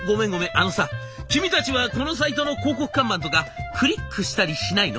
あのさ君たちはこのサイトの広告看板とかクリックしたりしないの？